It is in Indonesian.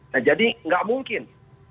nah jadi nggak mungkin